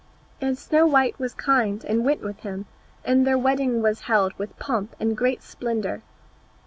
And Snow white was kind, and went with him, and their wedding was held with pomp and great splendour.